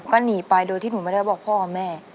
ก็หนีไปโดยที่หนูไม่ได้บอกพ่อกับแม่